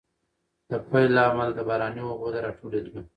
د پيل له امله، د باراني اوبو د راټولېدو